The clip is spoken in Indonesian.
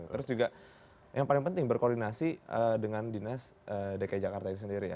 terus juga yang paling penting berkoordinasi dengan dinas dki jakarta itu sendiri ya